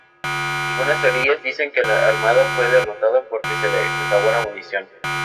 Algunas teorías dicen que la armada fue derrotada porque se le acabó la munición.